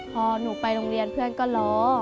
พอหนูไปโรงเรียนเพื่อนก็ล้อ